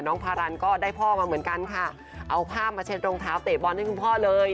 พารันก็ได้พ่อมาเหมือนกันค่ะเอาผ้ามาเช็ดรองเท้าเตะบอลให้คุณพ่อเลย